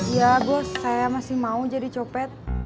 iya gue saya masih mau jadi copet